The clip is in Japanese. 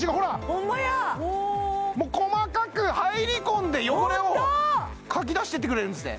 ホンマやもう細かく入り込んで汚れをかき出していってくれるんですね